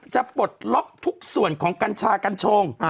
ปลดล็อกทุกส่วนของกัญชากัญชง